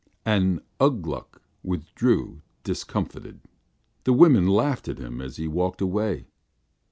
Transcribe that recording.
And Ugh Gluk withdrew discomfited, the women laughing at him as he walked away.